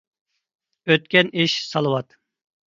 ئۆتكەن ئىش سالاۋات.